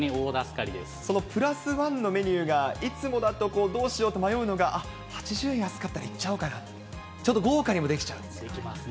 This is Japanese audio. そのプラスワンのメニューがいつもだとどうしようと迷うのが、あっ、８０円安かったら行っちゃおうかな、できますね。